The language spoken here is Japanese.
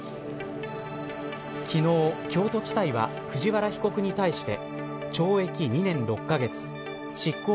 昨日、京都地裁は藤原被告に対して懲役２年６カ月執行